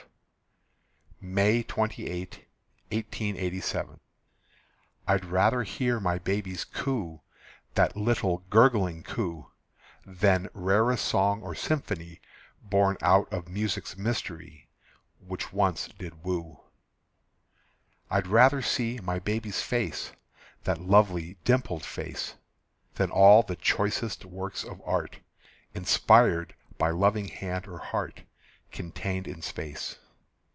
F. May 28, 1887. I'd rather hear my baby's coo, That little gurgling coo, Than rarest song or symphony Born out of music's mystery Which once did woo. I'd rather see my baby's face, That lovely dimpled face, Than all the choicest works of art, Inspired by loving hand or heart, Contained in space.